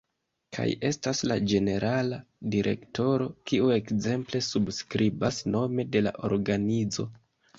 Kaj estas la ĝenerala direktoro kiu ekzemple subskribas nome de la organizo.